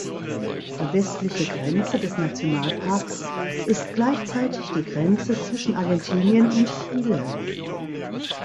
Die westliche Grenze des Nationalparks ist gleichzeitig die Grenze zwischen Argentinien und Chile.